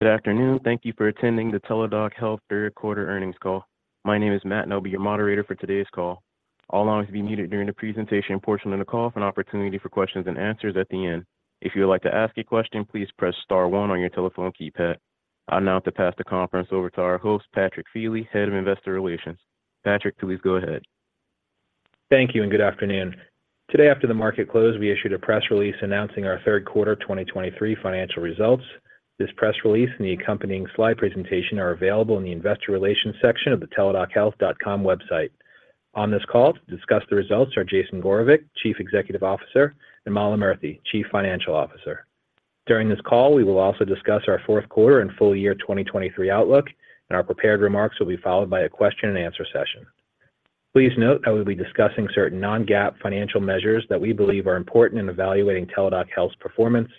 Good afternoon. Thank you for attending the Teladoc Health third quarter earnings call. My name is Matt, and I'll be your moderator for today's call. All lines will be muted during the presentation portion of the call for an opportunity for questions and answers at the end. If you would like to ask a question, please press star one on your telephone keypad. I'd now like to pass the conference over to our host, Patrick Feeley, Head of Investor Relations. Patrick, please go ahead. Thank you, and good afternoon. Today, after the market closed, we issued a press release announcing our third quarter 2023 financial results. This press release and the accompanying slide presentation are available in the Investor Relations section of the teladochealth.com website. On this call to discuss the results are Jason Gorevic, Chief Executive Officer, and Mala Murthy, Chief Financial Officer. During this call, we will also discuss our fourth quarter and full year 2023 outlook, and our prepared remarks will be followed by a question-and-answer session. Please note that we'll be discussing certain non-GAAP financial measures that we believe are important in evaluating Teladoc Health's performance.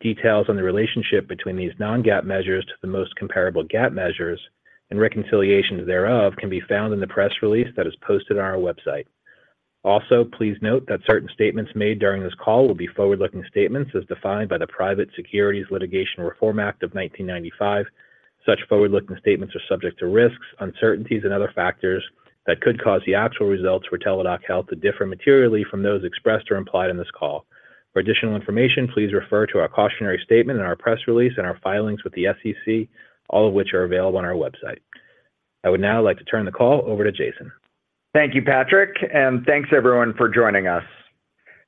Details on the relationship between these non-GAAP measures to the most comparable GAAP measures and reconciliation thereof can be found in the press release that is posted on our website. Also, please note that certain statements made during this call will be forward-looking statements as defined by the Private Securities Litigation Reform Act of 1995. Such forward-looking statements are subject to risks, uncertainties, and other factors that could cause the actual results for Teladoc Health to differ materially from those expressed or implied in this call. For additional information, please refer to our cautionary statement in our press release and our filings with the SEC, all of which are available on our website. I would now like to turn the call over to Jason. Thank you, Patrick, and thanks everyone for joining us.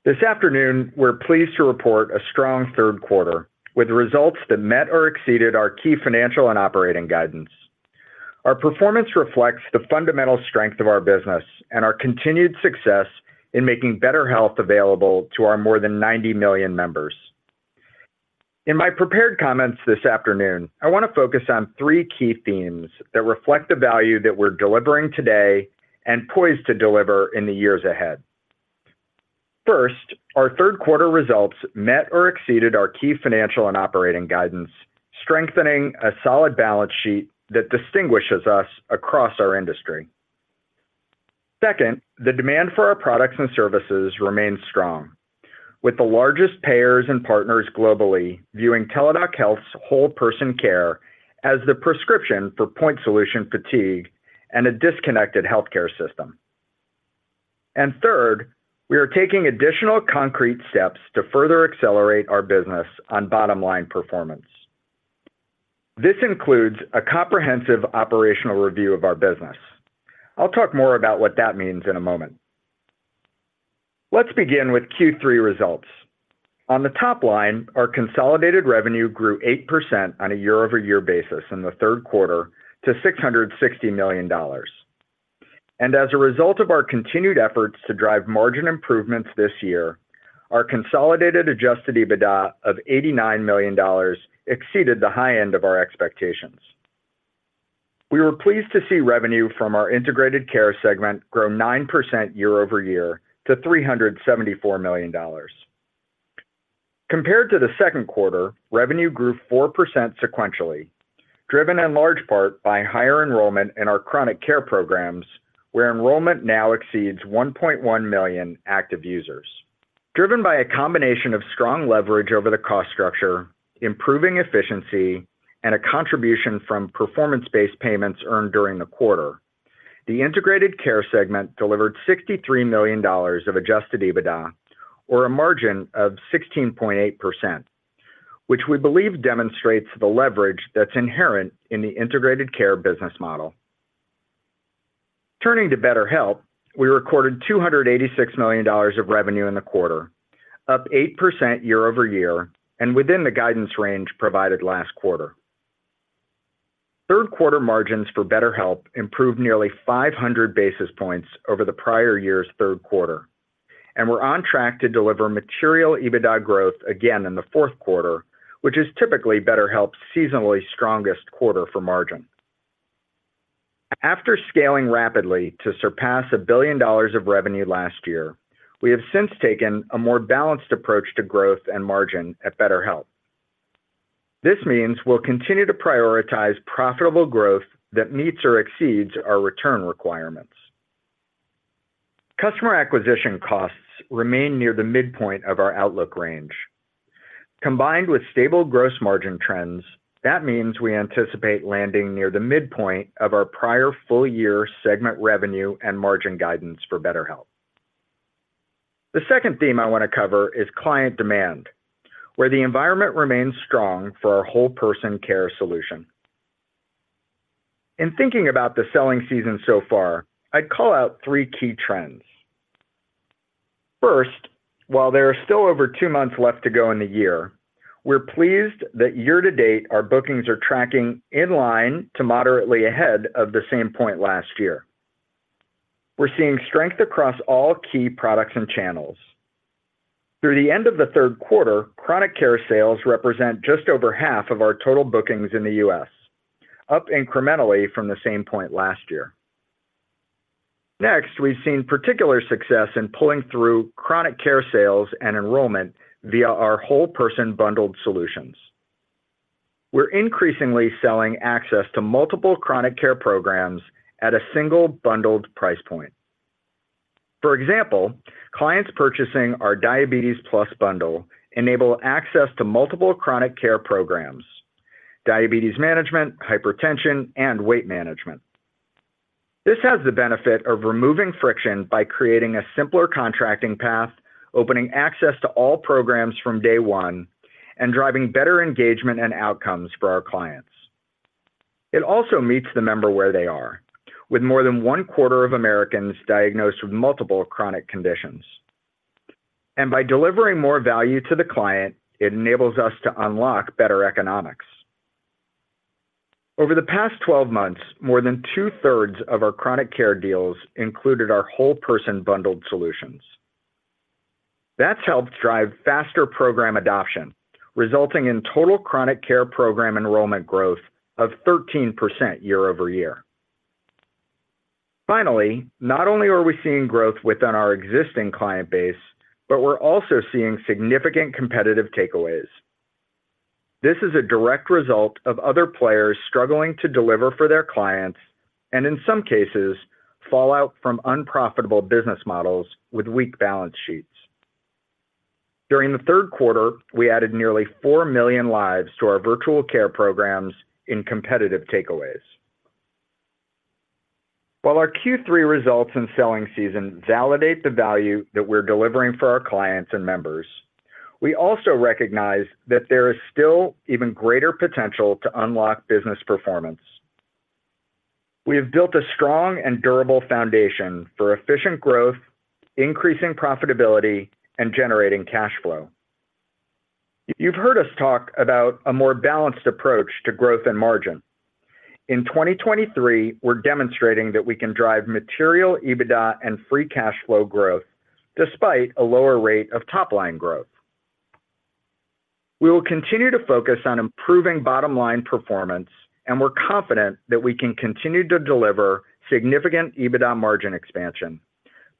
This afternoon, we're pleased to report a strong third quarter, with results that met or exceeded our key financial and operating guidance. Our performance reflects the fundamental strength of our business and our continued success in making better health available to our more than 90 million members. In my prepared comments this afternoon, I want to focus on three key themes that reflect the value that we're delivering today and poised to deliver in the years ahead. First, our third quarter results met or exceeded our key financial and operating guidance, strengthening a solid balance sheet that distinguishes us across our industry. Second, the demand for our products and services remains strong, with the largest payers and partners globally viewing Teladoc Health's Whole Person Care as the prescription for point solution fatigue and a disconnected healthcare system. Third, we are taking additional concrete steps to further accelerate our business on bottom-line performance. This includes a comprehensive operational review of our business. I'll talk more about what that means in a moment. Let's begin with Q3 results. On the top line, our consolidated revenue grew 8% on a year-over-year basis in the third quarter to $660 million. And as a result of our continued efforts to drive margin improvements this year, our consolidated adjusted EBITDA of $89 million exceeded the high end of our expectations. We were pleased to see revenue from our Integrated Care segment grow 9% year-over-year to $374 million. Compared to the second quarter, revenue grew 4% sequentially, driven in large part by higher enrollment in our Chronic Care programs, where enrollment now exceeds 1.1 million active users. Driven by a combination of strong leverage over the cost structure, improving efficiency, and a contribution from performance-based payments earned during the quarter, the Integrated Care segment delivered $63 million of Adjusted EBITDA, or a margin of 16.8%, which we believe demonstrates the leverage that's inherent in the Integrated Care business model. Turning to BetterHelp, we recorded $286 million of revenue in the quarter, up 8% year-over-year, and within the guidance range provided last quarter. Third quarter margins for BetterHelp improved nearly 500 basis points over the prior year's third quarter, and we're on track to deliver material EBITDA growth again in the fourth quarter, which is typically BetterHelp's seasonally strongest quarter for margin. After scaling rapidly to surpass $1 billion of revenue last year, we have since taken a more balanced approach to growth and margin at BetterHelp. This means we'll continue to prioritize profitable growth that meets or exceeds our return requirements. Customer acquisition costs remain near the midpoint of our outlook range. Combined with stable gross margin trends, that means we anticipate landing near the midpoint of our prior full-year segment revenue and margin guidance for BetterHelp. The second theme I want to cover is client demand, where the environment remains strong for our Whole Person Care solution. In thinking about the selling season so far, I'd call out three key trends. First, while there are still over two months left to go in the year, we're pleased that year to date, our bookings are tracking in line to moderately ahead of the same point last year. We're seeing strength across all key products and channels. Through the end of the third quarter, chronic care sales represent just over half of our total bookings in the U.S., up incrementally from the same point last year. Next, we've seen particular success in pulling through chronic care sales and enrollment via our whole person bundled solutions. We're increasingly selling access to multiple chronic care programs at a single bundled price point. For example, clients purchasing our Diabetes Plus bundle enable access to multiple chronic care programs: diabetes management, hypertension, and weight management. This has the benefit of removing friction by creating a simpler contracting path, opening access to all programs from day one, and driving better engagement and outcomes for our clients. It also meets the member where they are, with more than one quarter of Americans diagnosed with multiple chronic conditions. By delivering more value to the client, it enables us to unlock better economics. Over the past 12 months, more than 2/3 of our chronic care deals included our Whole Person bundled solutions. That's helped drive faster program adoption, resulting in total chronic care program enrollment growth of 13% year-over-year. Finally, not only are we seeing growth within our existing client base, but we're also seeing significant competitive takeaways. This is a direct result of other players struggling to deliver for their clients, and in some cases, fallout from unprofitable business models with weak balance sheets. During the third quarter, we added nearly 4 million lives to our Virtual Care programs in competitive takeaways. While our Q3 results and selling season validate the value that we're delivering for our clients and members, we also recognize that there is still even greater potential to unlock business performance. We have built a strong and durable foundation for efficient growth, increasing profitability, and generating cash flow. You've heard us talk about a more balanced approach to growth and margin. In 2023, we're demonstrating that we can drive material EBITDA and free cash flow growth despite a lower rate of top-line growth. We will continue to focus on improving bottom-line performance, and we're confident that we can continue to deliver significant EBITDA margin expansion,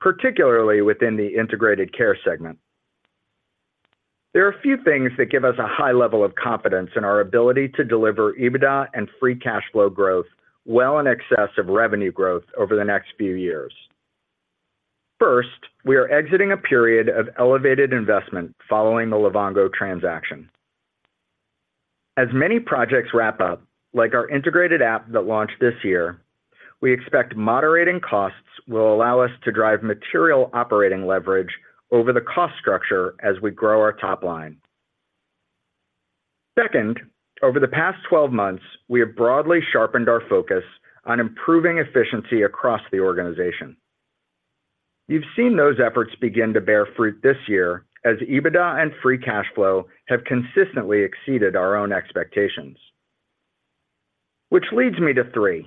particularly within the Integrated Care segment. There are a few things that give us a high level of confidence in our ability to deliver EBITDA and free cash flow growth well in excess of revenue growth over the next few years. First, we are exiting a period of elevated investment following the Livongo transaction. As many projects wrap up, like our integrated app that launched this year, we expect moderating costs will allow us to drive material operating leverage over the cost structure as we grow our top line. Second, over the past 12 months, we have broadly sharpened our focus on improving efficiency across the organization. You've seen those efforts begin to bear fruit this year as EBITDA and free cash flow have consistently exceeded our own expectations. Which leads me to three.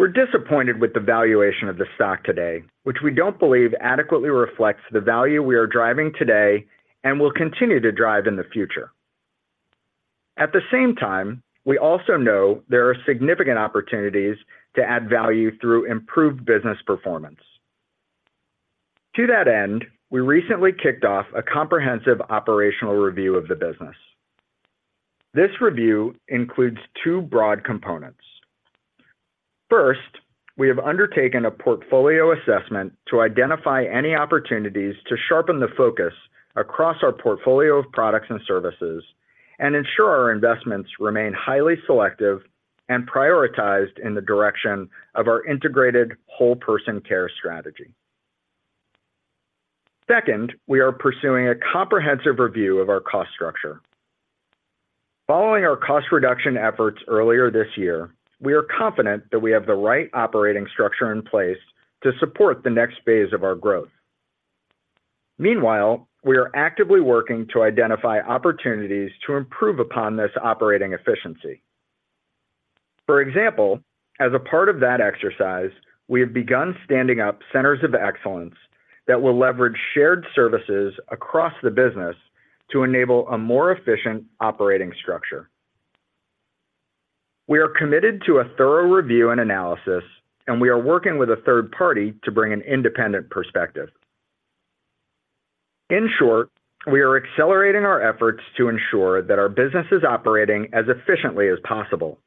We're disappointed with the valuation of the stock today, which we don't believe adequately reflects the value we are driving today and will continue to drive in the future. At the same time, we also know there are significant opportunities to add value through improved business performance. To that end, we recently kicked off a comprehensive operational review of the business. This review includes two broad components. First, we have undertaken a portfolio assessment to identify any opportunities to sharpen the focus across our portfolio of products and services and ensure our investments remain highly selective and prioritized in the direction of our integrated Whole Person Care strategy. Second, we are pursuing a comprehensive review of our cost structure. Following our cost reduction efforts earlier this year, we are confident that we have the right operating structure in place to support the next phase of our growth. Meanwhile, we are actively working to identify opportunities to improve upon this operating efficiency. For example, as a part of that exercise, we have begun standing up centers of excellence that will leverage shared services across the business to enable a more efficient operating structure. We are committed to a thorough review and analysis, and we are working with a third party to bring an independent perspective. In short, we are accelerating our efforts to ensure that our business is operating as efficiently as possible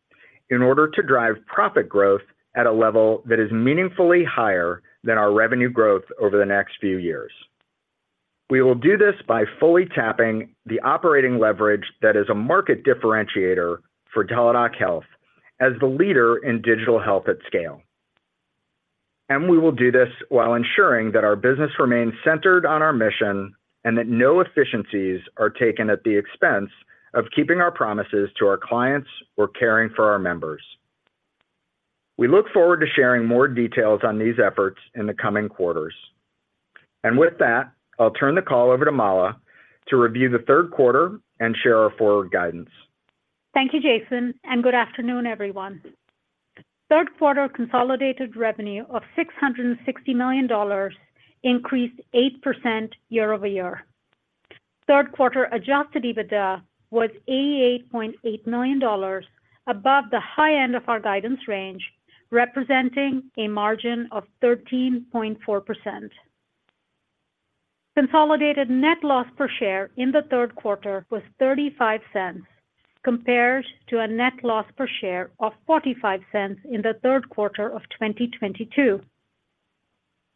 in order to drive profit growth at a level that is meaningfully higher than our revenue growth over the next few years. We will do this by fully tapping the operating leverage that is a market differentiator for Teladoc Health as the leader in digital health at scale. We will do this while ensuring that our business remains centered on our mission and that no efficiencies are taken at the expense of keeping our promises to our clients or caring for our members. We look forward to sharing more details on these efforts in the coming quarters. With that, I'll turn the call over to Mala to review the third quarter and share our forward guidance. Thank you, Jason, and good afternoon, everyone. Third quarter consolidated revenue of $660 million increased 8% year-over-year. Third quarter Adjusted EBITDA was $88.8 million, above the high end of our guidance range, representing a margin of 13.4%. Consolidated net loss per share in the third quarter was $0.35, compared to a net loss per share of $0.45 in the third quarter of 2022.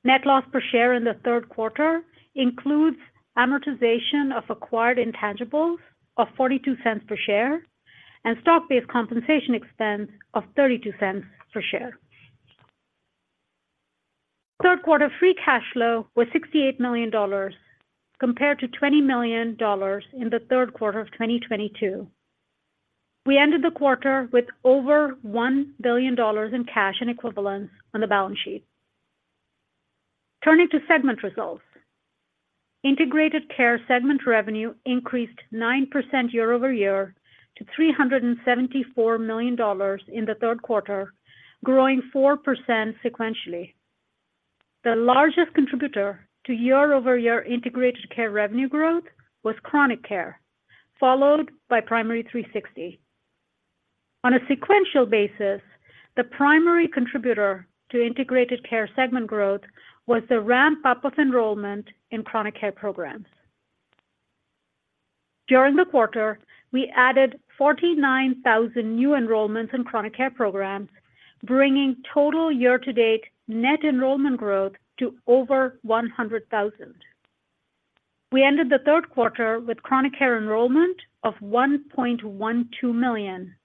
Net loss per share in the third quarter includes amortization of acquired intangibles of $0.42 per share and stock-based compensation expense of $0.32 per share. Third quarter free cash flow was $68 million, compared to $20 million in the third quarter of 2022. We ended the quarter with over $1 billion in cash and equivalents on the balance sheet. Turning to segment results. Integrated Care segment revenue increased 9% year-over-year to $374 million in the third quarter, growing 4% sequentially. The largest contributor to year-over-year Integrated Care revenue growth was Chronic Care, followed by Primary360. On a sequential basis, the primary contributor to Integrated Care segment growth was the ramp-up of enrollment in chronic care programs. During the quarter, we added 49,000 new enrollments in chronic care programs, bringing total year-to-date net enrollment growth to over 100,000. We ended the third quarter with chronic care enrollment of 1.12 million,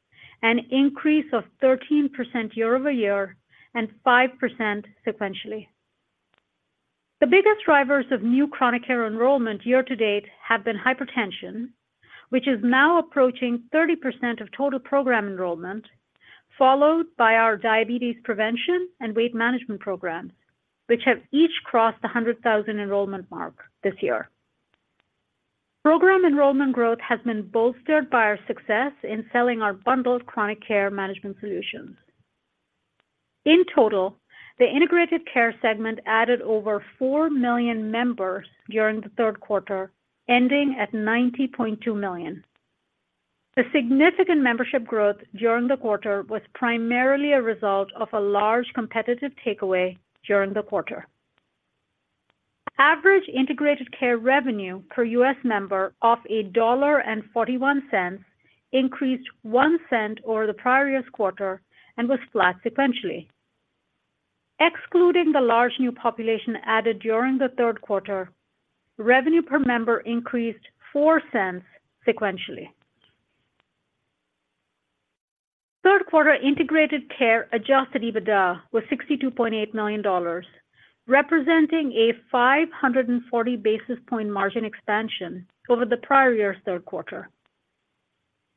an increase of 13% year-over-year and 5% sequentially. The biggest drivers of new chronic care enrollment year-to-date have been hypertension, which is now approaching 30% of total program enrollment, followed by our diabetes prevention and weight management programs, which have each crossed the 100,000 enrollment mark this year. Program enrollment growth has been bolstered by our success in selling our bundled chronic care management solutions. In total, the Integrated Care segment added over 4 million members during the third quarter, ending at 90.2 million. The significant membership growth during the quarter was primarily a result of a large competitive takeaway during the quarter. Average Integrated Care revenue per U.S. member of $1.41 increased $0.01 over the prior year's quarter and was flat sequentially. Excluding the large new population added during the third quarter, revenue per member increased $0.04 sequentially. Third quarter Integrated Care Adjusted EBITDA was $62.8 million, representing a 540 basis point margin expansion over the prior year's third quarter.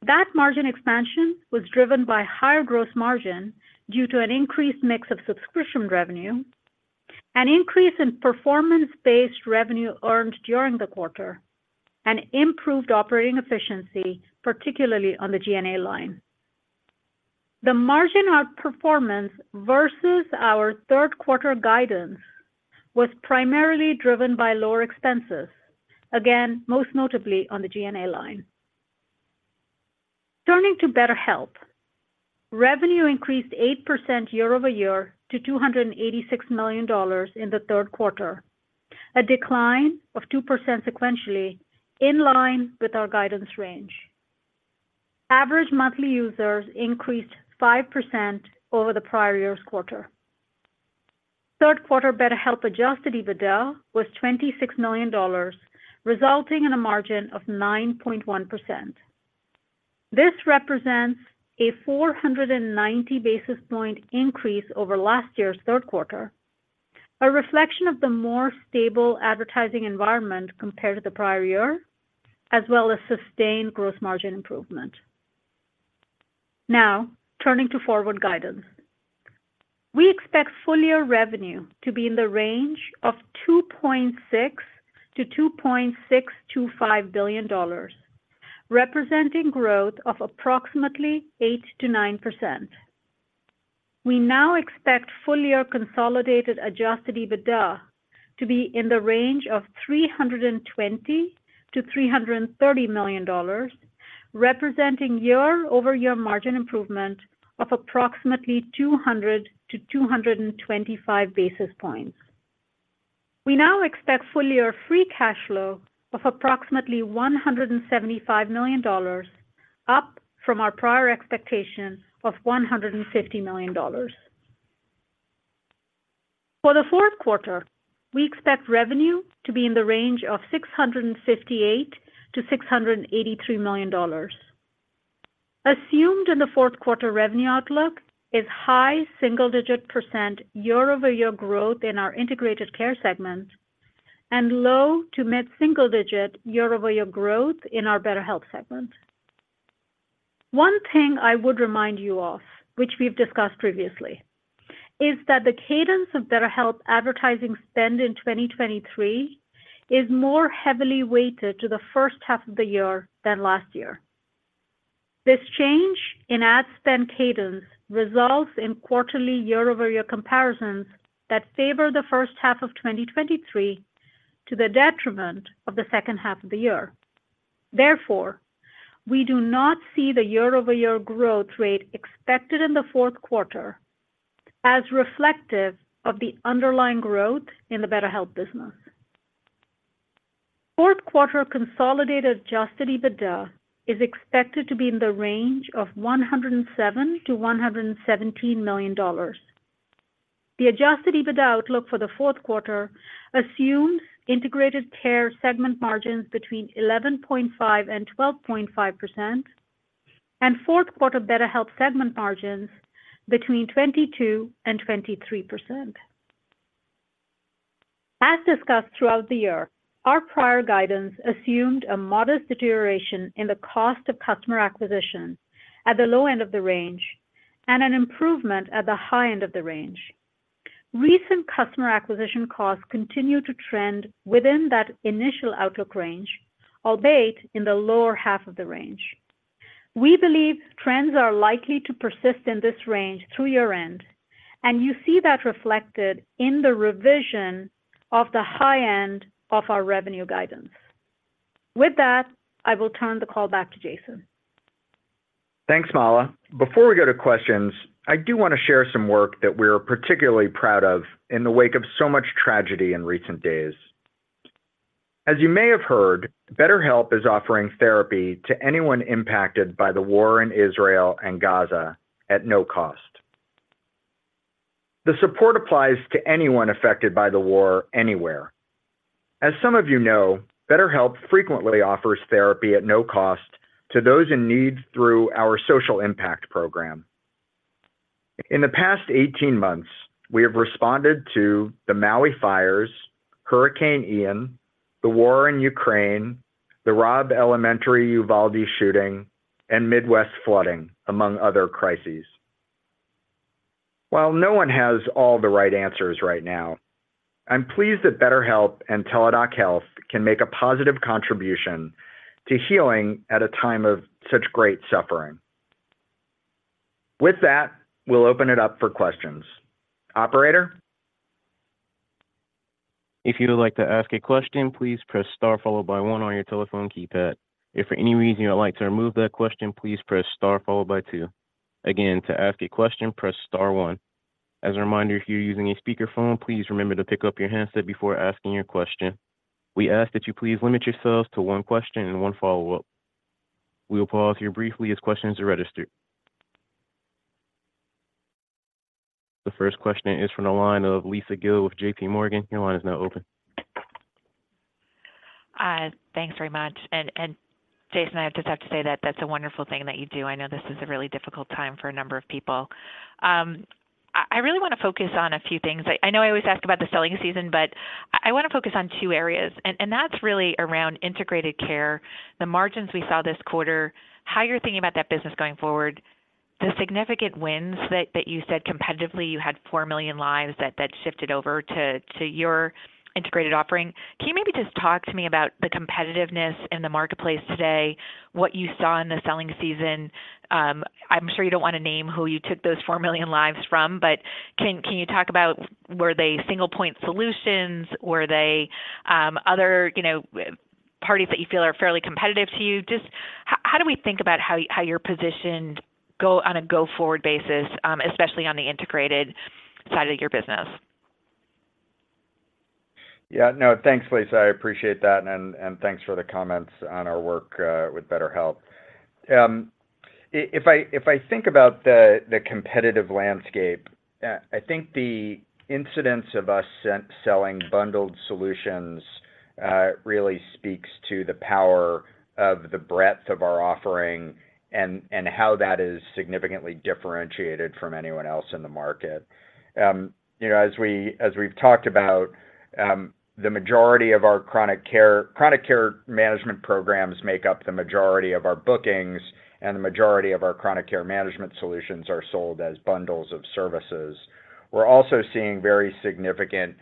That margin expansion was driven by higher gross margin due to an increased mix of subscription revenue, an increase in performance-based revenue earned during the quarter, and improved operating efficiency, particularly on the G&A line. The margin outperformance versus our third quarter guidance was primarily driven by lower expenses, again, most notably on the G&A line. Turning to BetterHelp. Revenue increased 8% year-over-year to $286 million in the third quarter, a decline of 2% sequentially in line with our guidance range. Average monthly users increased 5% over the prior year's quarter. Third quarter BetterHelp Adjusted EBITDA was $26 million, resulting in a margin of 9.1%. This represents a 490 basis point increase over last year's third quarter, a reflection of the more stable advertising environment compared to the prior year, as well as sustained gross margin improvement. Now, turning to forward guidance. We expect full-year revenue to be in the range of $2.6 billion-$2.625 billion, representing growth of approximately 8%-9%. We now expect full-year consolidated Adjusted EBITDA to be in the range of $320 million-$330 million, representing year-over-year margin improvement of approximately 200-225 basis points. We now expect full-year Free Cash Flow of approximately $175 million, up from our prior expectation of $150 million. For the fourth quarter, we expect revenue to be in the range of $658 million-$683 million. Assumed in the fourth quarter revenue outlook is high single-digit % year-over-year growth in our Integrated Care segment and low- to mid-single-digit year-over-year growth in our BetterHelp segment. One thing I would remind you of, which we've discussed previously, is that the cadence of BetterHelp advertising spend in 2023 is more heavily weighted to the first half of the year than last year. This change in ad spend cadence results in quarterly year-over-year comparisons that favor the first half of 2023 to the detriment of the second half of the year. Therefore, we do not see the year-over-year growth rate expected in the fourth quarter as reflective of the underlying growth in the BetterHelp business. Fourth quarter consolidated adjusted EBITDA is expected to be in the range of $107 million-$117 million. The adjusted EBITDA outlook for the fourth quarter assumes Integrated Care segment margins between 11.5%-12.5%, and fourth quarter BetterHelp segment margins between 22%-23%. As discussed throughout the year, our prior guidance assumed a modest deterioration in the cost of customer acquisition at the low end of the range, and an improvement at the high end of the range. Recent customer acquisition costs continue to trend within that initial outlook range, albeit in the lower half of the range. We believe trends are likely to persist in this range through year-end, and you see that reflected in the revision of the high end of our revenue guidance. With that, I will turn the call back to Jason. Thanks, Mala. Before we go to questions, I do want to share some work that we're particularly proud of in the wake of so much tragedy in recent days. As you may have heard, BetterHelp is offering therapy to anyone impacted by the war in Israel and Gaza at no cost. The support applies to anyone affected by the war anywhere. As some of you know, BetterHelp frequently offers therapy at no cost to those in need through our social impact program. In the past 18 months, we have responded to the Maui fires, Hurricane Ian, the war in Ukraine, the Robb Elementary Uvalde shooting, and Midwest flooding, among other crises. While no one has all the right answers right now, I'm pleased that BetterHelp and Teladoc Health can make a positive contribution to healing at a time of such great suffering. With that, we'll open it up for questions. Operator? If you would like to ask a question, please press star followed by one on your telephone keypad. If for any reason you would like to remove that question, please press star followed by two. Again, to ask a question, press star one. As a reminder, if you're using a speakerphone, please remember to pick up your handset before asking your question. We ask that you please limit yourselves to one question and one follow-up. We will pause here briefly as questions are registered. The first question is from the line of Lisa Gill with J.P. Morgan. Your line is now open. Thanks very much. And Jason, I just have to say that that's a wonderful thing that you do. I know this is a really difficult time for a number of people. I really want to focus on a few things. I know I always ask about the selling season, but I want to focus on two areas, and that's really around Integrated Care, the margins we saw this quarter, how you're thinking about that business going forward, the significant wins that you said competitively, you had 4 million lives that shifted over to your Integrated offering. Can you maybe just talk to me about the competitiveness in the marketplace today, what you saw in the selling season? I'm sure you don't want to name who you took those 4 million lives from, but can you talk about were they single point solutions? Were they other, you know, parties that you feel are fairly competitive to you? Just how do we think about how you're positioned on a go-forward basis, especially on the integrated side of your business? Yeah. No, thanks, Lisa. I appreciate that, and, and, thanks for the comments on our work with BetterHelp. If I think about the competitive landscape, I think the incidence of us selling bundled solutions really speaks to the power of the breadth of our offering and how that is significantly differentiated from anyone else in the market. You know, as we've talked about, the majority of our chronic care management programs make up the majority of our bookings, and the majority of our chronic care management solutions are sold as bundles of services. We're also seeing very significant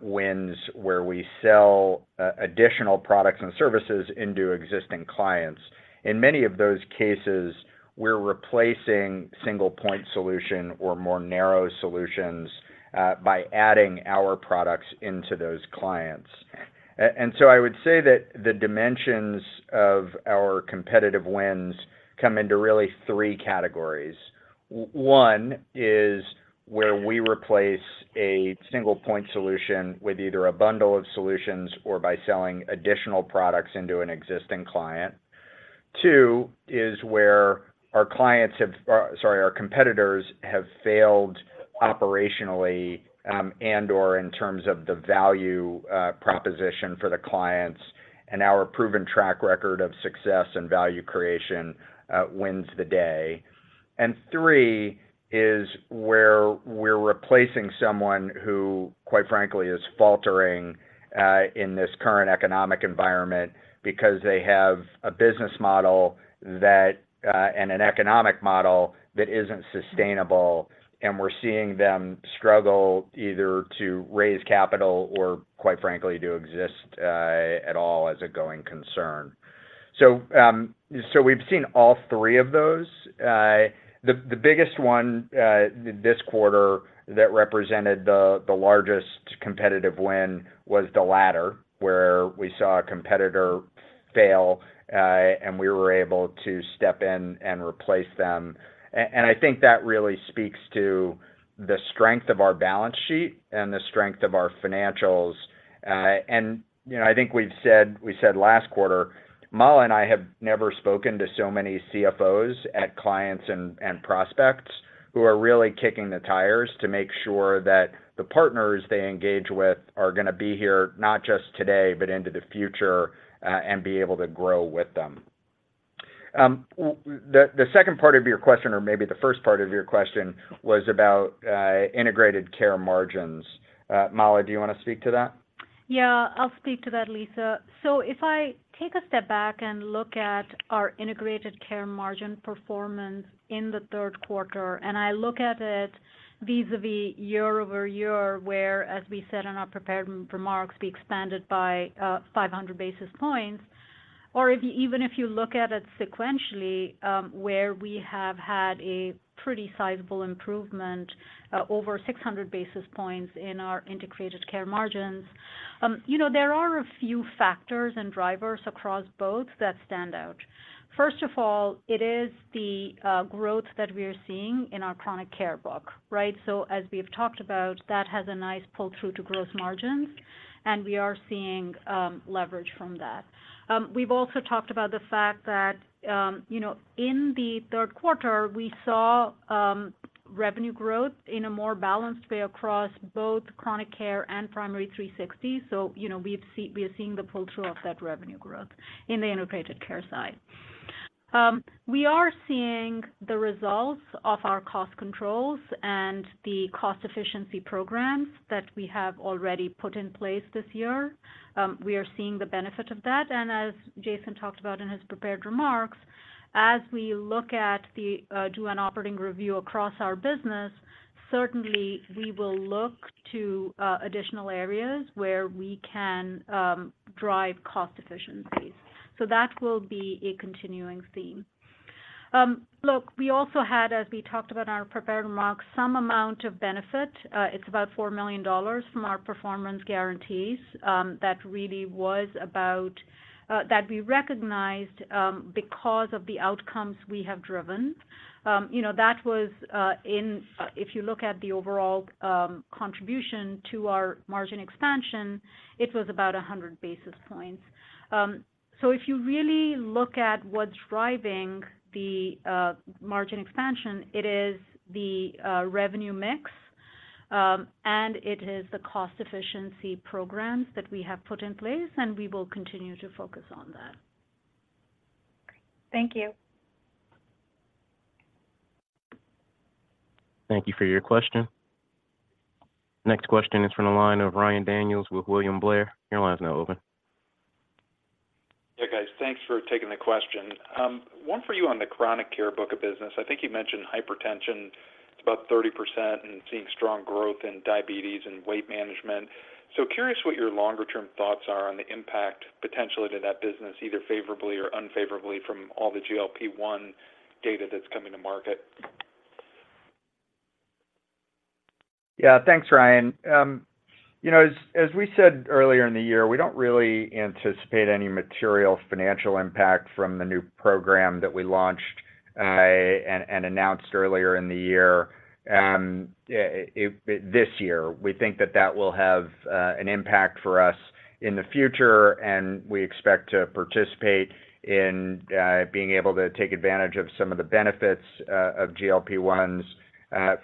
wins where we sell additional products and services into existing clients. In many of those cases, we're replacing single point solution or more narrow solutions by adding our products into those clients. And so I would say that the dimensions of our competitive wins come into really three categories. One is where we replace a single point solution with either a bundle of solutions or by selling additional products into an existing client. Two, is where our clients have, sorry, our competitors have failed operationally, and/or in terms of the value, proposition for the clients, and our proven track record of success and value creation, wins the day. And three, is where we're replacing someone who, quite frankly, is faltering, in this current economic environment because they have a business model that, and an economic model that isn't sustainable, and we're seeing them struggle either to raise capital or quite frankly, to exist, at all as a going concern. So, so we've seen all three of those. The biggest one this quarter that represented the largest competitive win was the latter, where we saw a competitor fail, and we were able to step in and replace them. And I think that really speaks to the strength of our balance sheet and the strength of our financials. And, you know, I think we've said—we said last quarter, Mala and I have never spoken to so many CFOs at clients and prospects, who are really kicking the tires to make sure that the partners they engage with are gonna be here not just today, but into the future, and be able to grow with them. The second part of your question, or maybe the first part of your question, was about integrated care margins. Mala, do you wanna speak to that? Yeah, I'll speak to that, Lisa. So if I take a step back and look at our Integrated Care margin performance in the third quarter, and I look at it vis-à-vis year-over-year, where, as we said in our prepared remarks, we expanded by 500 basis points, or even if you look at it sequentially, where we have had a pretty sizable improvement over 600 basis points in our Integrated Care margins, you know, there are a few factors and drivers across both that stand out. First of all, it is the growth that we are seeing in our Chronic Care book, right? So as we have talked about, that has a nice pull-through to gross margins, and we are seeing leverage from that. We've also talked about the fact that, you know, in the third quarter, we saw revenue growth in a more balanced way across both Chronic Care and Primary360. So, you know, we are seeing the pull-through of that revenue growth in the Integrated Care side. We are seeing the results of our cost controls and the cost efficiency programs that we have already put in place this year. We are seeing the benefit of that, and as Jason talked about in his prepared remarks, as we look at the do an operating review across our business, certainly we will look to additional areas where we can drive cost efficiencies. So that will be a continuing theme. Look, we also had, as we talked about in our prepared remarks, some amount of benefit. It's about $4 million from our performance guarantees that really was about that we recognized because of the outcomes we have driven. You know, that was. If you look at the overall contribution to our margin expansion, it was about 100 basis points. So if you really look at what's driving the margin expansion, it is the revenue mix, and it is the cost efficiency programs that we have put in place, and we will continue to focus on that. Thank you. Thank you for your question. Next question is from the line of Ryan Daniels with William Blair. Your line is now open. Yeah, guys, thanks for taking the question. One for you on the chronic care book of business. I think you mentioned hypertension, it's about 30% and seeing strong growth in diabetes and weight management. So curious what your longer term thoughts are on the impact, potentially to that business, either favorably or unfavorably, from all the GLP-1 data that's coming to market? Yeah, thanks, Ryan. You know, as we said earlier in the year, we don't really anticipate any material financial impact from the new program that we launched and announced earlier in the year, this year. We think that that will have an impact for us in the future, and we expect to participate in being able to take advantage of some of the benefits of GLP-1s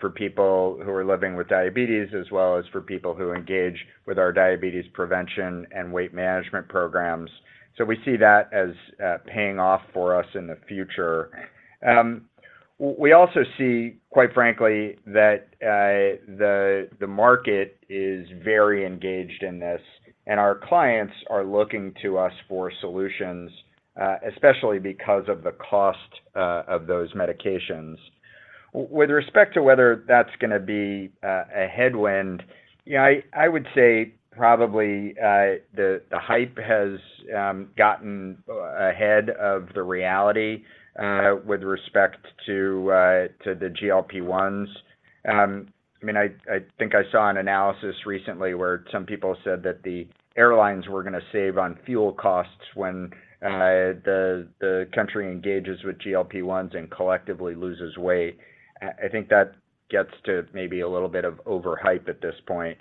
for people who are living with diabetes, as well as for people who engage with our diabetes prevention and weight management programs. So we see that as paying off for us in the future. We also see, quite frankly, that the market is very engaged in this, and our clients are looking to us for solutions, especially because of the cost of those medications. With respect to whether that's gonna be a headwind, yeah, I would say probably the hype has gotten ahead of the reality with respect to the GLP-1s. I mean, I think I saw an analysis recently, where some people said that the airlines were gonna save on fuel costs when the country engages with GLP-1s and collectively loses weight. I think that gets to maybe a little bit of overhype at this point.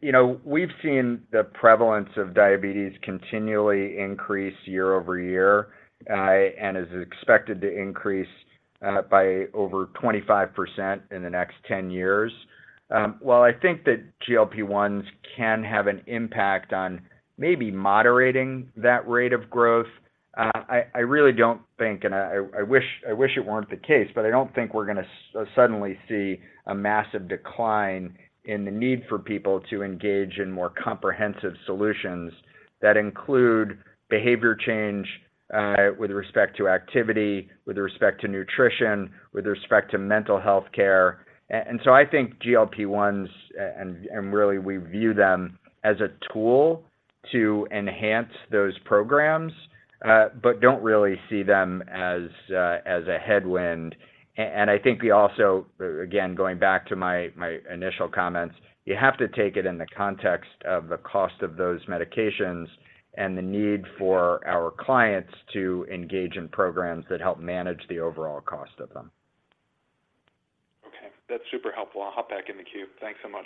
You know, we've seen the prevalence of diabetes continually increase year-over-year, and is expected to increase by over 25% in the next 10 years. While I think that GLP-1s can have an impact on maybe moderating that rate of growth, I really don't think, and I wish it weren't the case, but I don't think we're gonna suddenly see a massive decline in the need for people to engage in more comprehensive solutions that include behavior change, with respect to activity, with respect to nutrition, with respect to mental health care. And so I think GLP-1s, and really, we view them as a tool to enhance those programs, but don't really see them as a headwind. And I think we also, again, going back to my initial comments, you have to take it in the context of the cost of those medications and the need for our clients to engage in programs that help manage the overall cost of them. Okay, that's super helpful. I'll hop back in the queue. Thanks so much.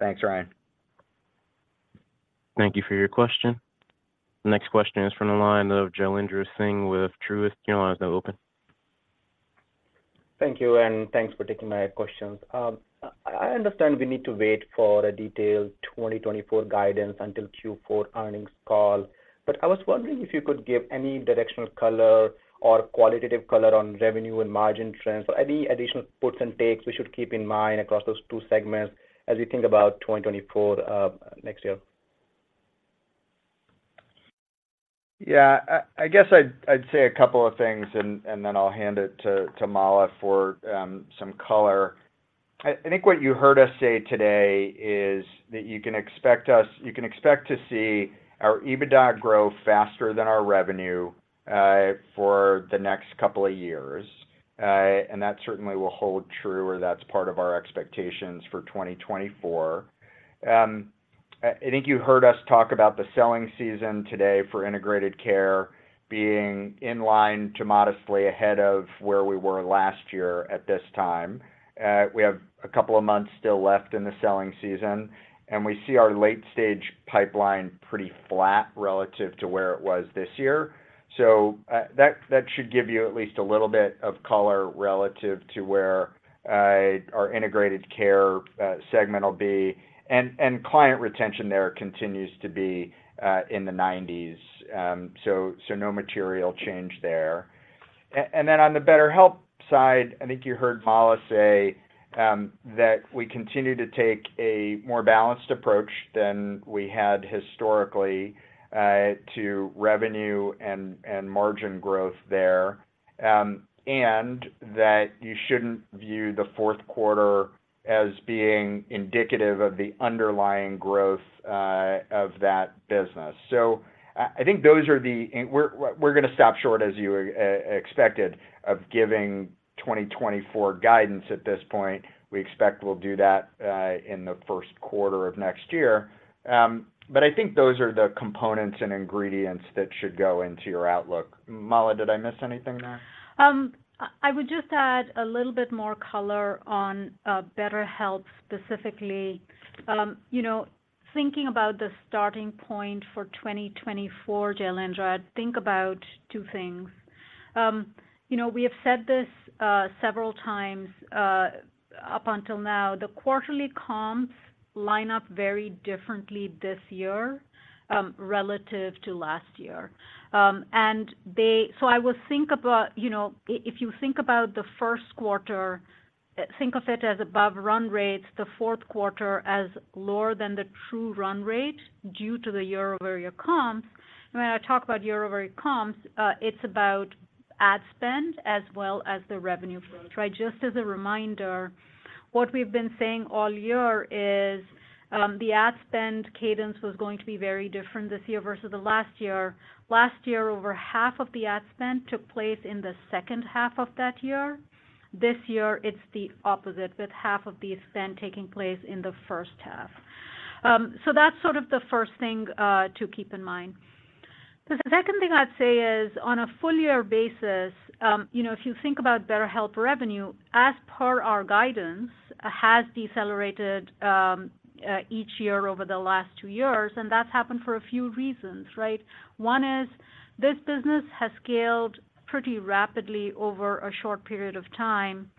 Thanks, Ryan. Thank you for your question. The next question is from the line of Jailendra Singh with Truist. Your line is now open. Thank you, and thanks for taking my questions. I understand we need to wait for a detailed 2024 guidance until Q4 earnings call. But I was wondering if you could give any directional color or qualitative color on revenue and margin trends, or any additional puts and takes we should keep in mind across those two segments as we think about 2024, next year? Yeah, I guess I'd say a couple of things, and then I'll hand it to Mala for some color. I think what you heard us say today is that you can expect us—you can expect to see our EBITDA grow faster than our revenue for the next couple of years. And that certainly will hold true, or that's part of our expectations for 2024. I think you heard us talk about the selling season today for Integrated Care being in line to modestly ahead of where we were last year at this time. We have a couple of months still left in the selling season, and we see our late-stage pipeline pretty flat relative to where it was this year. So, that should give you at least a little bit of color relative to where our Integrated Care segment will be. And client retention there continues to be in the 90s, so no material change there. And then on the BetterHelp side, I think you heard Mala say that we continue to take a more balanced approach than we had historically to revenue and margin growth there, and that you shouldn't view the fourth quarter as being indicative of the underlying growth of that business. So I think those are the-- and we're gonna stop short, as you expected, of giving 2024 guidance at this point. We expect we'll do that in the first quarter of next year. But I think those are the components and ingredients that should go into your outlook. Mala, did I miss anything there? I would just add a little bit more color on, BetterHelp specifically. You know, thinking about the starting point for 2024, Jailendra, I'd think about two things. You know, we have said this, several times, up until now. The quarterly comps line up very differently this year, relative to last year. So I would think about, you know, if you think about the first quarter, think of it as above run rates, the fourth quarter as lower than the true run rate due to the year-over-year comps. When I talk about year-over-year comps, it's about ad spend as well as the revenue growth. Right? Just as a reminder, what we've been saying all year is, the ad spend cadence was going to be very different this year versus the last year. Last year, over half of the ad spend took place in the second half of that year. This year, it's the opposite, with half of the spend taking place in the first half. So that's sort of the first thing to keep in mind. The second thing I'd say is, on a full year basis, you know, if you think about BetterHelp revenue, as per our guidance, has decelerated each year over the last two years, and that's happened for a few reasons, right? One is, this business has scaled pretty rapidly over a short period of time.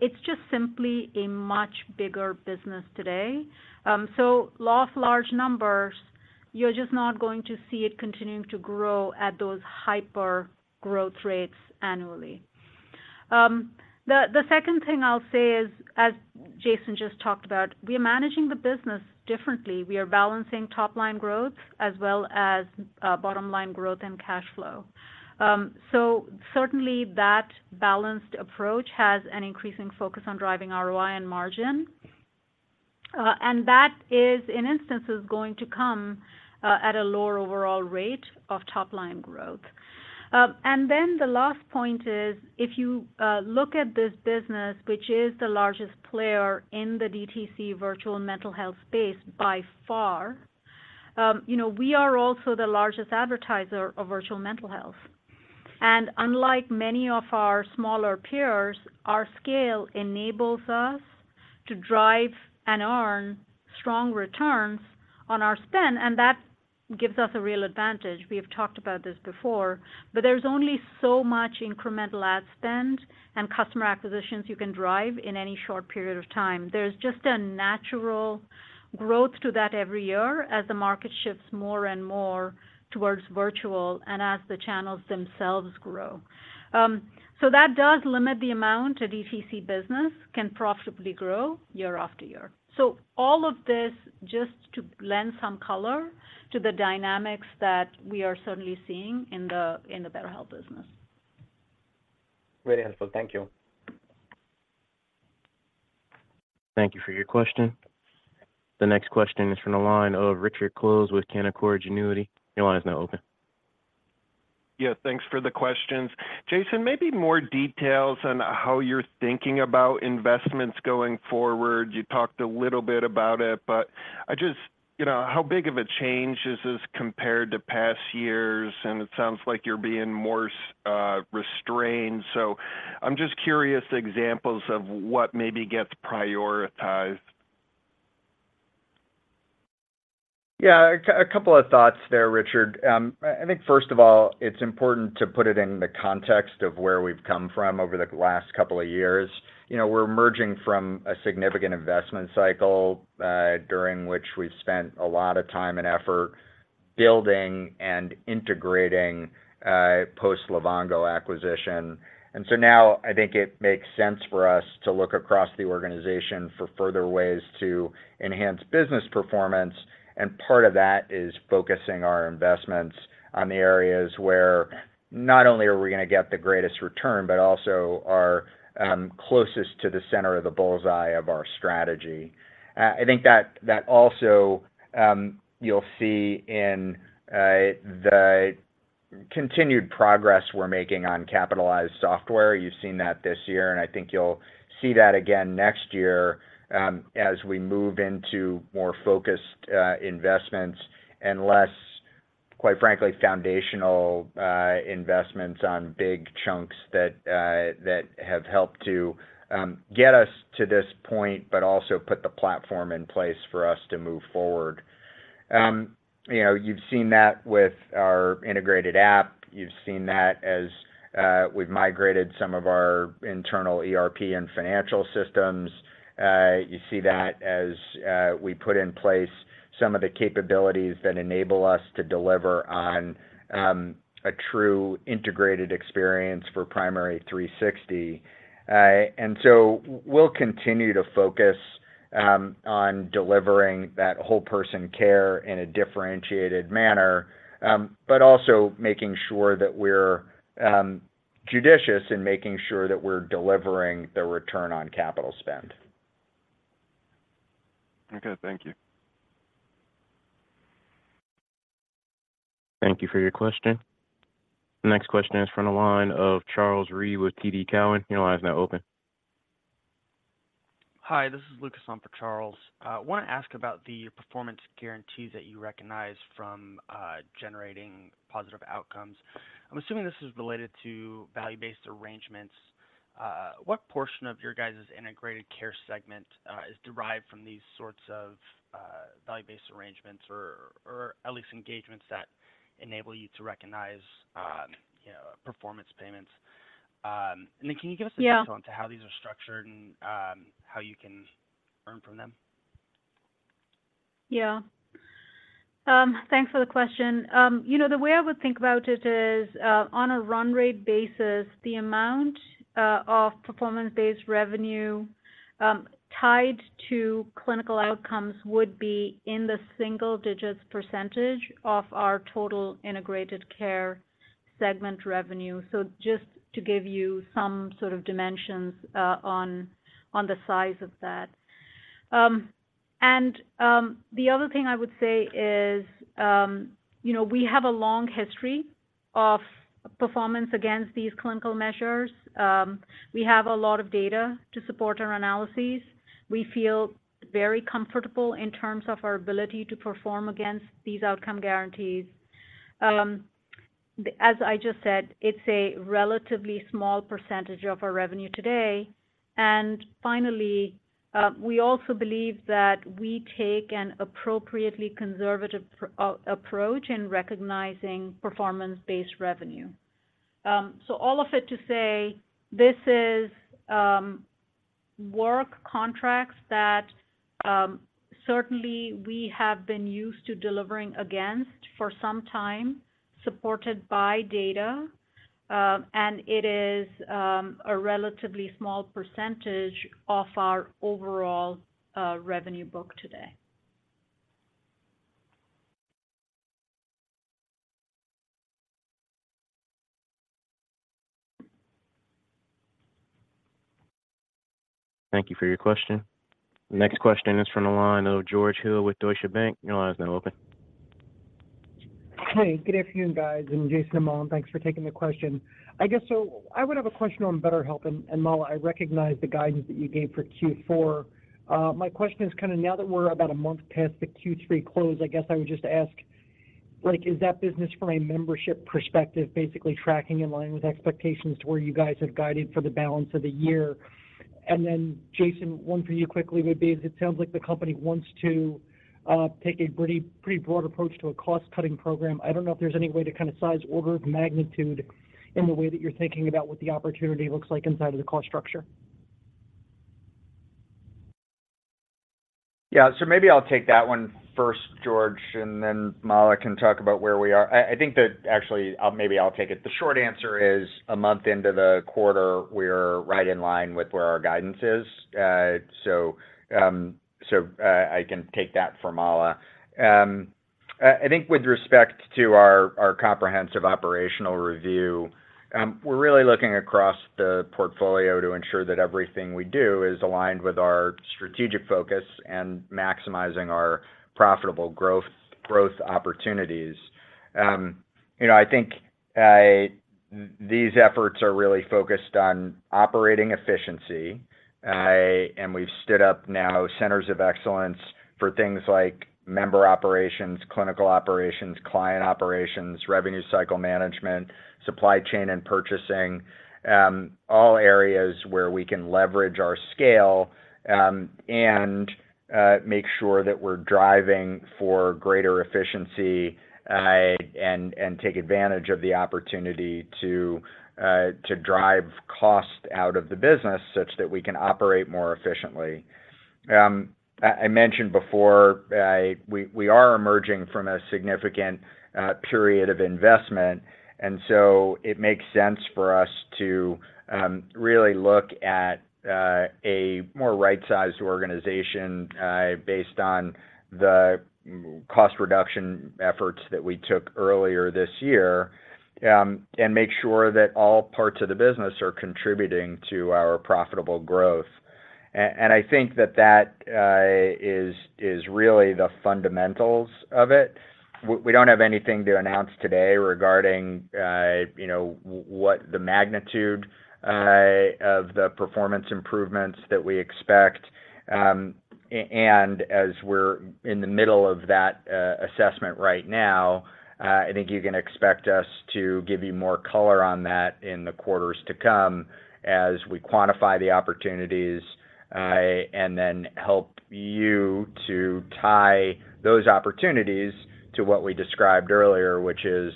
It's just simply a much bigger business today. So law of large numbers, you're just not going to see it continuing to grow at those hyper growth rates annually. The second thing I'll say is, as Jason just talked about, we are managing the business differently. We are balancing top-line growth as well as bottom-line growth and cash flow. So certainly that balanced approach has an increasing focus on driving ROI and margin. And that is, in instances, going to come at a lower overall rate of top-line growth. And then the last point is, if you look at this business, which is the largest player in the DTC virtual mental health space by far, you know, we are also the largest advertiser of virtual mental health. And unlike many of our smaller peers, our scale enables us to drive and earn strong returns on our spend, and that gives us a real advantage. We have talked about this before, but there's only so much incremental ad spend and customer acquisitions you can drive in any short period of time. There's just a natural growth to that every year as the market shifts more and more towards virtual and as the channels themselves grow. So that does limit the amount a DTC business can profitably grow year after year. So all of this just to lend some color to the dynamics that we are certainly seeing in the, in the BetterHelp business. Very helpful. Thank you. Thank you for your question. The next question is from the line of Richard Close with Canaccord Genuity. Your line is now open. Yeah, thanks for the questions. Jason, maybe more details on how you're thinking about investments going forward. You talked a little bit about it, but I just, you know, how big of a change is this compared to past years? And it sounds like you're being more restrained. So I'm just curious, examples of what maybe gets prioritized. Yeah, a couple of thoughts there, Richard. I think first of all, it's important to put it in the context of where we've come from over the last couple of years. You know, we're emerging from a significant investment cycle during which we've spent a lot of time and effort building and integrating post Livongo acquisition. And so now I think it makes sense for us to look across the organization for further ways to enhance business performance, and part of that is focusing our investments on the areas where not only are we gonna get the greatest return, but also are closest to the center of the bull's eye of our strategy. I think that also you'll see in the continued progress we're making on capitalized software. You've seen that this year, and I think you'll see that again next year, as we move into more focused investments and less, quite frankly, foundational investments on big chunks that have helped to get us to this point, but also put the platform in place for us to move forward. You know, you've seen that with our integrated app. You've seen that as we've migrated some of our internal ERP and financial systems. You see that as we put in place some of the capabilities that enable us to deliver on a true integrated experience for Primary360. And so we'll continue to focus on delivering that Whole Person Care in a differentiated manner, but also making sure that we're judicious in making sure that we're delivering the return on capital spend. Okay, thank you. Thank you for your question. The next question is from the line of Charles Rhyee with TD Cowen. Your line is now open. Hi, this is Lucas on for Charles. I wanna ask about the performance guarantees that you recognize from generating positive outcomes. I'm assuming this is related to value-based arrangements. What portion of your guys's Integrated Care segment is derived from these sorts of value-based arrangements or at least engagements that enable you to recognize, you know, performance payments? And then can you give us a- Yeah. ...insight into how these are structured and, how you can earn from them? Yeah. Thanks for the question. You know, the way I would think about it is, on a run rate basis, the amount of performance-based revenue tied to clinical outcomes would be in the single-digit % of our total Integrated Care segment revenue. So just to give you some sort of dimensions on the size of that. The other thing I would say is, you know, we have a long history of performance against these clinical measures. We have a lot of data to support our analyses. We feel very comfortable in terms of our ability to perform against these outcome guarantees. As I just said, it's a relatively small percentage of our revenue today. And finally, we also believe that we take an appropriately conservative approach in recognizing performance-based revenue. So all of it to say, this is work contracts that certainly we have been used to delivering against for some time, supported by data, and it is a relatively small percentage of our overall revenue book today. Thank you for your question. The next question is from the line of George Hill with Deutsche Bank. Your line is now open. Hey, good afternoon, guys, and Jason and Mala, thanks for taking the question. I guess, so I would have a question on BetterHelp, and Mala, I recognize the guidance that you gave for Q4. My question is kind of now that we're about a month past the Q3 close, I guess I would just ask, like, is that business from a membership perspective, basically tracking in line with expectations to where you guys had guided for the balance of the year? And then, Jason, one for you quickly would be, is it sounds like the company wants to take a pretty broad approach to a cost-cutting program. I don't know if there's any way to kind of size, order of magnitude in the way that you're thinking about what the opportunity looks like inside of the cost structure. Yeah. So maybe I'll take that one first, George, and then Mala can talk about where we are. I think that actually I'll take it. The short answer is, a month into the quarter, we're right in line with where our guidance is. I can take that for Mala. I think with respect to our comprehensive operational review, we're really looking across the portfolio to ensure that everything we do is aligned with our strategic focus and maximizing our profitable growth, growth opportunities. You know, I think these efforts are really focused on operating efficiency. We've stood up now centers of excellence for things like member operations, clinical operations, client operations, revenue cycle management, supply chain, and purchasing, all areas where we can leverage our scale, and make sure that we're driving for greater efficiency, and take advantage of the opportunity to drive cost out of the business such that we can operate more efficiently. I mentioned before, we are emerging from a significant period of investment, and so it makes sense for us to really look at a more right-sized organization based on the cost reduction efforts that we took earlier this year, and make sure that all parts of the business are contributing to our profitable growth. I think that that is really the fundamentals of it. We don't have anything to announce today regarding, you know, what the magnitude of the performance improvements that we expect. And as we're in the middle of that assessment right now, I think you can expect us to give you more color on that in the quarters to come as we quantify the opportunities, and then help you to tie those opportunities to what we described earlier, which is,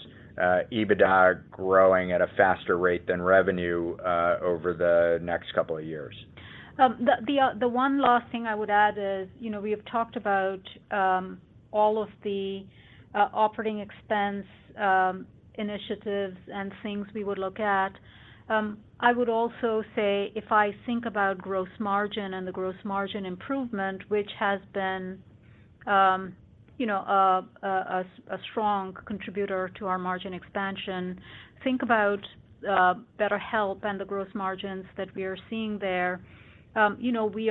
EBITDA growing at a faster rate than revenue over the next couple of years. The one last thing I would add is, you know, we have talked about all of the operating expense initiatives and things we would look at. I would also say, if I think about gross margin and the gross margin improvement, which has been, you know, a strong contributor to our margin expansion, think about BetterHelp and the gross margins that we are seeing there. You know, we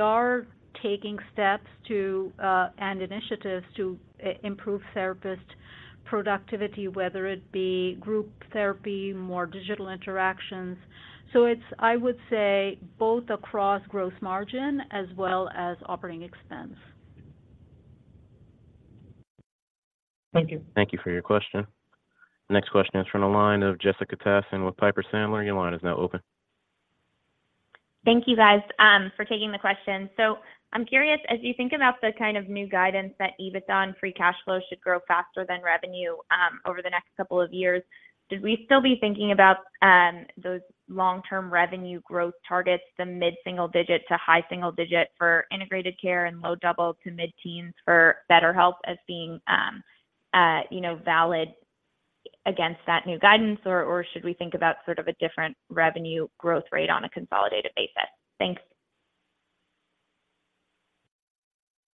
are taking steps to and initiatives to improve therapist productivity, whether it be group therapy, more digital interactions. So it's, I would say, both across gross margin as well as operating expense. Thank you. Thank you for your question. Next question is from the line of Jessica Tassan with Piper Sandler. Your line is now open. Thank you, guys, for taking the question. So I'm curious, as you think about the kind of new guidance that EBITDA and Free Cash Flow should grow faster than revenue, over the next couple of years, should we still be thinking about those long-term revenue growth targets, the mid-single digit to high single digit for Integrated Care and low double to mid-teens for BetterHelp as being, you know, valid against that new guidance? Or should we think about sort of a different revenue growth rate on a consolidated basis? Thanks.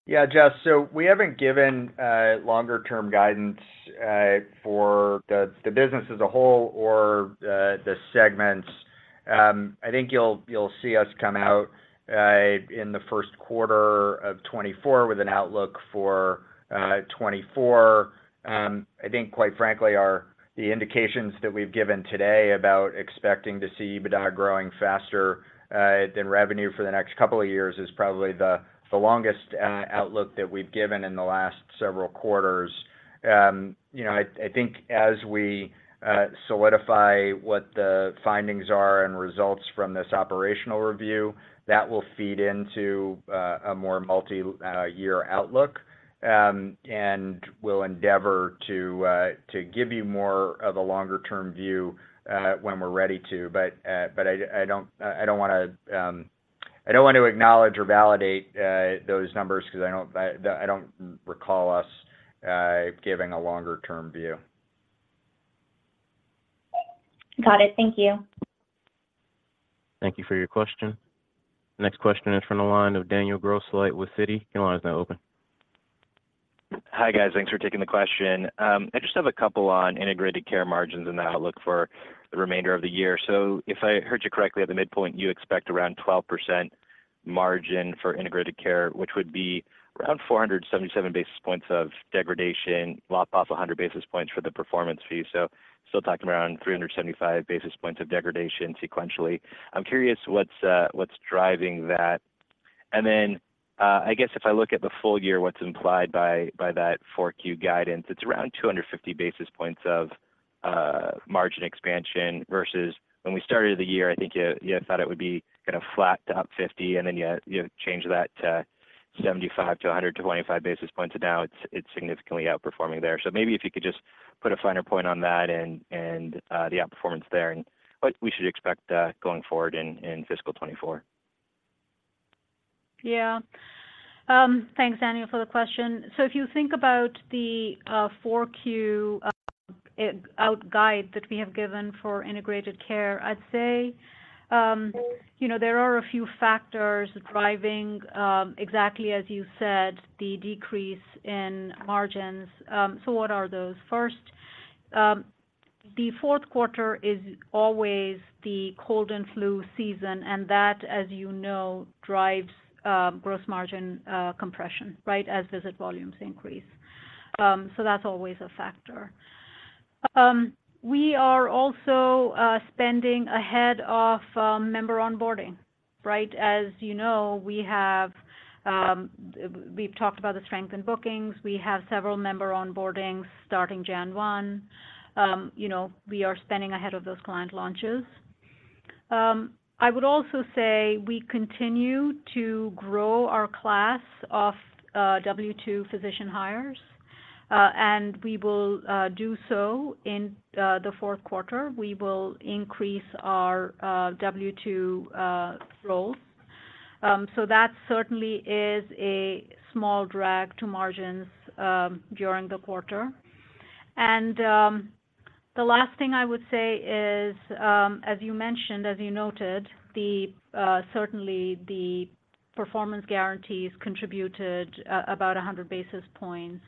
Yeah, Jess, so we haven't given longer-term guidance for the business as a whole or the segments. I think you'll see us come out in the first quarter of 2024 with an outlook for 2024. I think, quite frankly, our the indications that we've given today about expecting to see EBITDA growing faster than revenue for the next couple of years is probably the longest outlook that we've given in the last several quarters. You know, I think as we solidify what the findings are and results from this operational review, that will feed into a more multi-year outlook. And we'll endeavor to give you more of a longer-term view when we're ready to, but I don't wanna acknowledge or validate those numbers because I don't recall us giving a longer term view. Got it. Thank you. Thank you for your question. Next question is from the line of Daniel Grosslight with Citi. Your line is now open. Hi, guys. Thanks for taking the question. I just have a couple on Integrated Care margins and the outlook for the remainder of the year. So if I heard you correctly, at the midpoint, you expect around 12% margin for Integrated Care, which would be around 477 basis points of degradation, lop off 100 basis points for the performance fee. So still talking around 375 basis points of degradation sequentially. I'm curious, what's, what's driving that? And then, I guess if I look at the full year, what's implied by that Q4 guidance, it's around 250 basis points of margin expansion, versus when we started the year, I think you thought it would be kind of flat to up 50, and then you changed that to 75 to 100 to 125 basis points, and now it's significantly outperforming there. So maybe if you could just put a finer point on that and the outperformance there, and what we should expect going forward in fiscal 2024. Yeah. Thanks, Daniel, for the question. So if you think about the Q4 outlook guide that we have given for Integrated Care. I'd say, you know, there are a few factors driving exactly as you said, the decrease in margins. So what are those? First, the fourth quarter is always the cold and flu season, and that, as you know, drives gross margin compression, right, as visit volumes increase. So that's always a factor. We are also spending ahead of member onboarding, right? As you know, we've talked about the strength in bookings. We have several member onboardings starting January 1. You know, we are spending ahead of those client launches. I would also say we continue to grow our class of W-2 physician hires, and we will do so in the fourth quarter. We will increase our W-2 roles. So that certainly is a small drag to margins during the quarter. And the last thing I would say is, as you mentioned, as you noted, the certainly the performance guarantees contributed about 100 basis points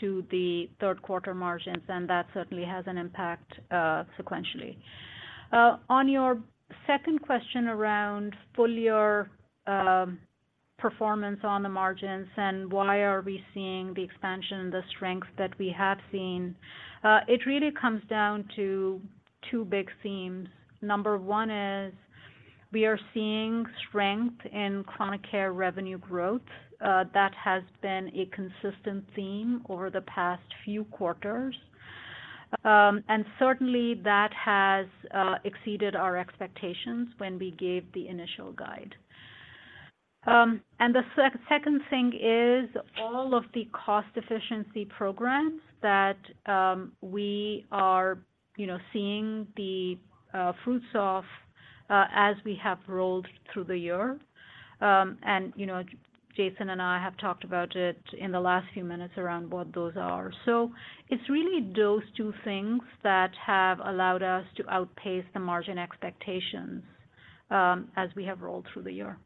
to the third quarter margins, and that certainly has an impact sequentially. On your second question around full year performance on the margins and why are we seeing the expansion and the strength that we have seen? It really comes down to two big themes. Number one is, we are seeing strength in chronic care revenue growth. That has been a consistent theme over the past few quarters. And certainly, that has exceeded our expectations when we gave the initial guide. And the second thing is all of the cost efficiency programs that we are, you know, seeing the fruits of as we have rolled through the year. And, you know, Jason and I have talked about it in the last few minutes around what those are. So it's really those two things that have allowed us to outpace the margin expectations as we have rolled through the year.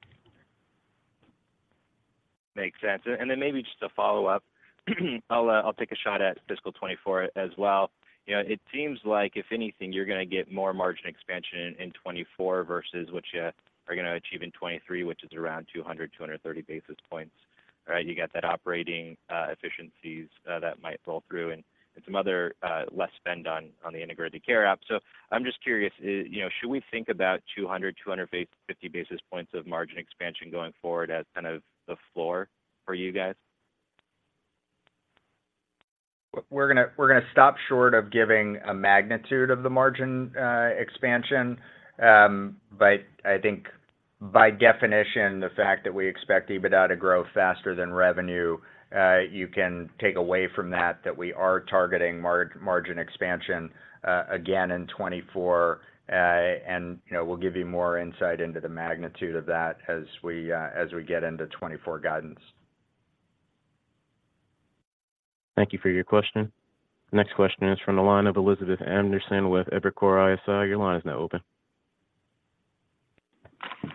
Makes sense. And then maybe just a follow-up. I'll, I'll take a shot at fiscal 2024 as well. You know, it seems like, if anything, you're gonna get more margin expansion in 2024 versus what you are gonna achieve in 2023, which is around 200-230 basis points, right? You got that operating, efficiencies, that might roll through and, and some other, less spend on, on the Integrated Care app. So I'm just curious, you know, should we think about 200-250 basis points of margin expansion going forward as kind of the floor for you guys? We're gonna stop short of giving a magnitude of the margin expansion. But I think by definition, the fact that we expect EBITDA to grow faster than revenue, you can take away from that, that we are targeting margin expansion, again in 2024. And, you know, we'll give you more insight into the magnitude of that as we get into 2024 guidance. Thank you for your question. Next question is from the line of Elizabeth Anderson with Evercore ISI. Your line is now open.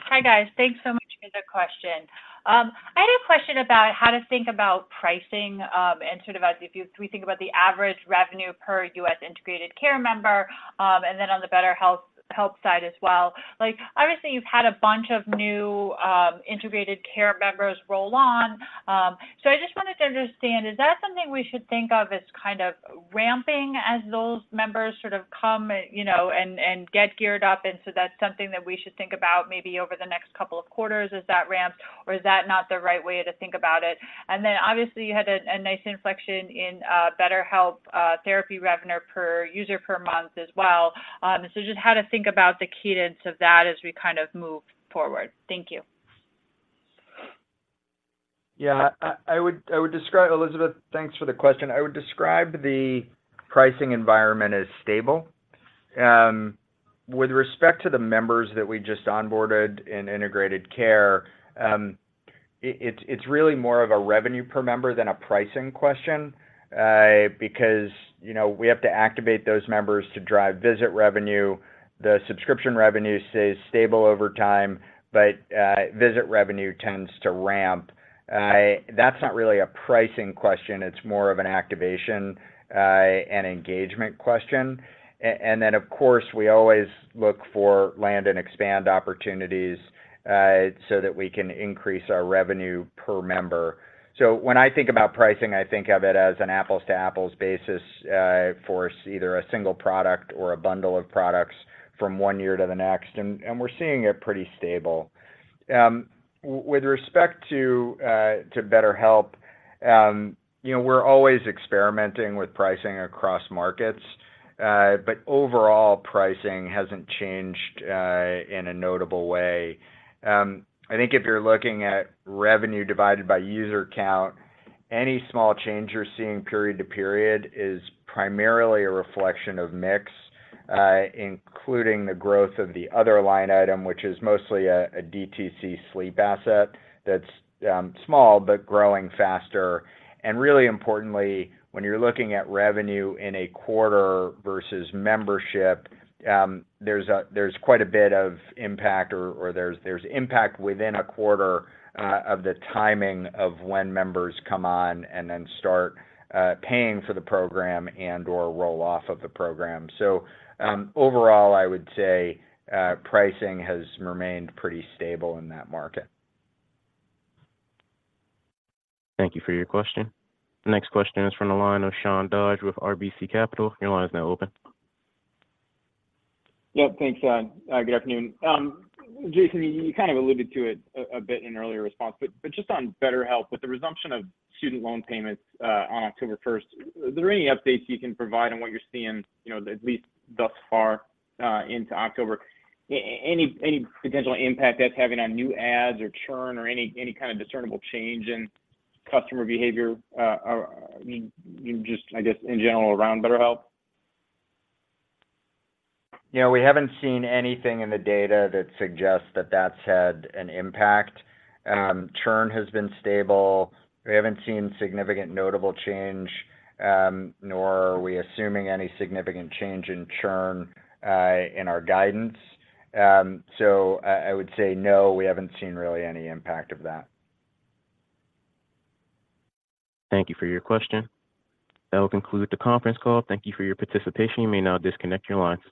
Hi, guys. Thanks so much for the question. I had a question about how to think about pricing, and sort of as if we think about the average revenue per US Integrated Care member, and then on the BetterHelp side as well. Like, obviously, you've had a bunch of new Integrated Care members roll on. So I just wanted to understand, is that something we should think of as kind of ramping as those members sort of come, you know, and get geared up, and so that's something that we should think about maybe over the next couple of quarters as that ramps, or is that not the right way to think about it? And then, obviously, you had a nice inflection in BetterHelp therapy revenue per user per month as well. Just how to think about the cadence of that as we kind of move forward? Thank you. Yeah, I would describe... Elizabeth, thanks for the question. I would describe the pricing environment as stable. With respect to the members that we just onboarded in Integrated Care, it's really more of a revenue per member than a pricing question, because, you know, we have to activate those members to drive visit revenue. The subscription revenue stays stable over time, but visit revenue tends to ramp. That's not really a pricing question, it's more of an activation and engagement question. And then, of course, we always look for land and expand opportunities, so that we can increase our revenue per member. So when I think about pricing, I think of it as an apples-to-apples basis for either a single product or a bundle of products from one year to the next, and we're seeing it pretty stable. With respect to BetterHelp, you know, we're always experimenting with pricing across markets, but overall, pricing hasn't changed in a notable way. I think if you're looking at revenue divided by user count, any small change you're seeing period to period is primarily a reflection of mix, including the growth of the other line item, which is mostly a DTC sleep asset that's small, but growing faster. And really importantly, when you're looking at revenue in a quarter versus membership, there's quite a bit of impact, or there's impact within a quarter, of the timing of when members come on and then start paying for the program and/or roll off of the program. So, overall, I would say, pricing has remained pretty stable in that market. Thank you for your question. The next question is from the line of Sean Dodge with RBC Capital. Your line is now open. Yep. Thanks and good afternoon. Jason, you kind of alluded to it a bit in an earlier response, but just on BetterHelp, with the resumption of student loan payments on October first, are there any updates you can provide on what you're seeing, you know, at least thus far into October? Any potential impact that's having on new adds or churn or any kind of discernible change in customer behavior? I mean, just, I guess, in general, around BetterHelp. You know, we haven't seen anything in the data that suggests that that's had an impact. Churn has been stable. We haven't seen significant notable change, nor are we assuming any significant change in churn, in our guidance. So I, I would say, no, we haven't seen really any impact of that. Thank you for your question. That will conclude the conference call. Thank you for your participation. You may now disconnect your line.